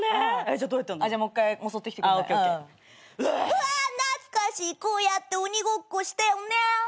うわぁ懐かしいこうやって鬼ごっこしたよね。